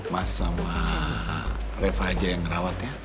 mas sama reva aja yang ngerawat ya